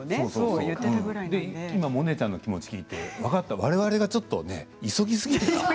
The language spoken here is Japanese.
今モネちゃんの気持ちを聞いてわれわれがちょっと急ぎすぎていた。